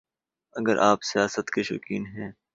اگر آپ سیاحت کے شوقین ہیں